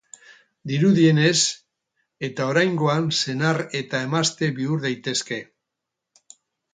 Dirudienez,, eta oraingoan senar eta emazte bihur daitezke.